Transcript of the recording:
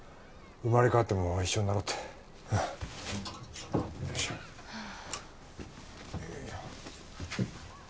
生まれ変わっても一緒になろうってうんはあ